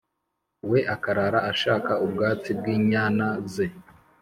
we akarara ashaka ubwatsi bw’inyana ze.